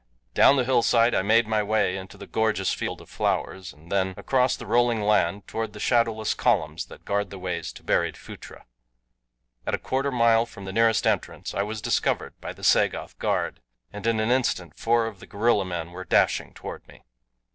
Down the hillside I made my way into the gorgeous field of flowers, and then across the rolling land toward the shadowless columns that guard the ways to buried Phutra. At a quarter mile from the nearest entrance I was discovered by the Sagoth guard, and in an instant four of the gorilla men were dashing toward me.